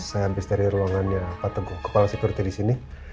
saya habis dari ruangannya pak teguh kepala sekuriti disini